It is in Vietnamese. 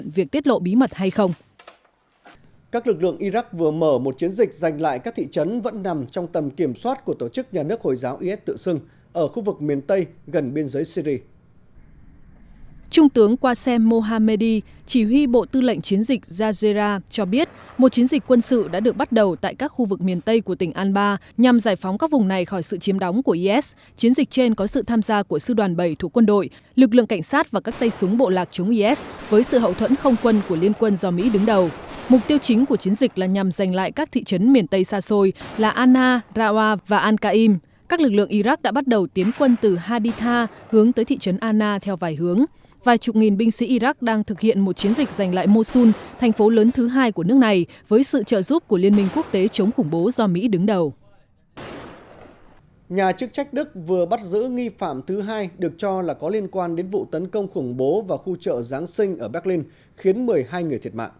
nhà chức trách đức vừa bắt giữ nghi phạm thứ hai được cho là có liên quan đến vụ tấn công khủng bố vào khu chợ giáng sinh ở berlin khiến một mươi hai người thiệt mạng